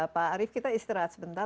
pak arief kita istirahat sebentar